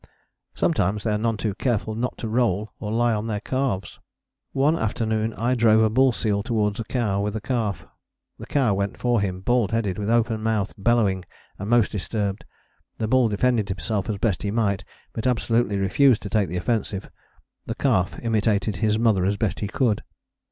Sometimes they are none too careful not to roll or lie on their calves. One afternoon I drove a bull seal towards a cow with a calf. The cow went for him bald headed, with open mouth, bellowing and most disturbed. The bull defended himself as best he might but absolutely refused to take the offensive. The calf imitated his mother as best he could.